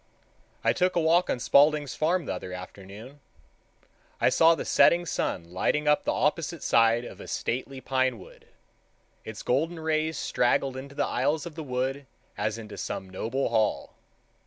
I took a walk on Spaulding's Farm the other afternoon. I saw the setting sun lighting up the opposite side of a stately pine wood. Its golden rays straggled into the aisles of the wood as into some noble hall.